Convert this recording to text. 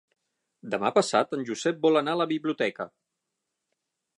Demà passat en Josep vol anar a la biblioteca.